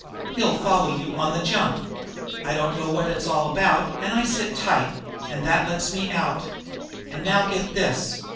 He'll follow you on the jump. I don't know what it's all about, and I sit tight, and that lets me out. And now get this!